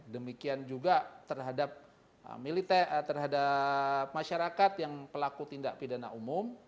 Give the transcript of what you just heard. demikian juga terhadap masyarakat yang pelaku tindak pidana umum